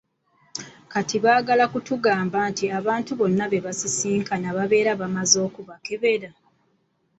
Kati baagala okutugamba nti abantu bonna be basisinkana babeera bamaze okubakebera?